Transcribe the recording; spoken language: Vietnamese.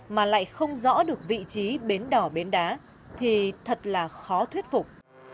mà lại không rõ được vị trí bến đỏ bến đá thì thật là khó thuyết phục